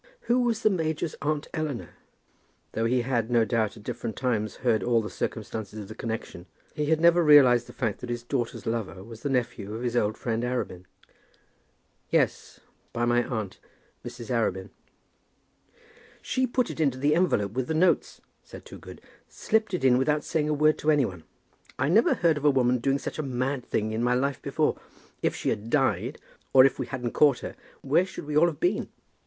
Who was the major's aunt Eleanor? Though he had, no doubt, at different times heard all the circumstances of the connection, he had never realized the fact that his daughter's lover was the nephew of his old friend, Arabin. "Yes; by my aunt, Mrs. Arabin." "She put it into the envelope with the notes," said Toogood; "slipped it in without saying a word to any one. I never heard of a woman doing such a mad thing in my life before. If she had died, or if we hadn't caught her, where should we all have been?